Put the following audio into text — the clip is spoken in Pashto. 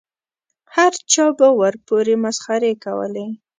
هر چا به ورپورې مسخرې کولې.